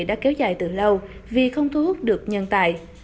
đã kéo dài từ lâu vì không thu hút được nhân tài